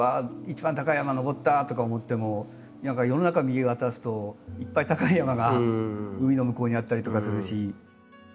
一番高い山登ったとか思っても何か世の中見渡すといっぱい高い山が海の向こうにあったりとかするし。